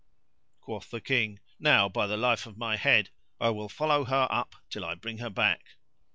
Quoth the King, "Now, by the life of my head! I will follow her up till I bring her back."